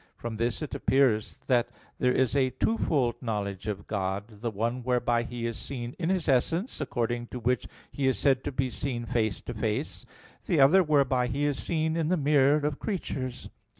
From this it appears that there is a twofold knowledge of God; the one, whereby He is seen in His essence, according to which He is said to be seen face to face; the other whereby He is seen in the mirror of creatures.